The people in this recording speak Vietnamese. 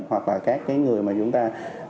hoặc là các người mà chúng ta